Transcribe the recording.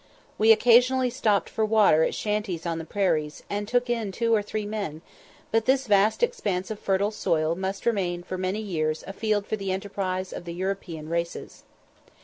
We occasionally stopped for water at shanties on the prairies, and took in two or three men; but this vast expanse of fertile soil still must remain for many years a field for the enterprise of the European races.